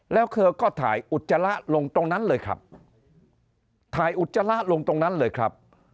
แล้วเธอก็ถ่ายอุจจาระลงตรงนั้นเลยครับถ่ายอุจจาระลงตรงนั้นเลยครับ